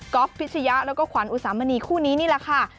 พิชยะแล้วก็ขวัญอุสามณีคู่นี้นี่แหละค่ะ